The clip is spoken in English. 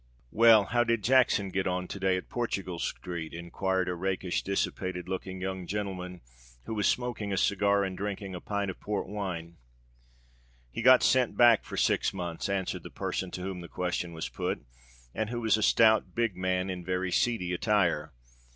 "Well, how did Jackson get on to day at Portugal Street?" enquired a rakish, dissipated looking young gentleman, who was smoking a cigar and drinking a pint of Port wine. "He got sent back for six months," answered the person to whom the question was put, and who was a stout, big man, in very seedy attire.